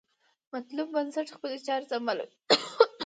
مطلوب بنسټ خپلې چارې سمبالوي.